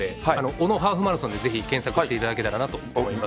小野ハーフマラソンで、ぜひ検索していただけたらなと思います。